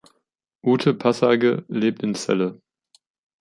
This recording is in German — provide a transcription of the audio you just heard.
Ute Passarge lebt in Celle.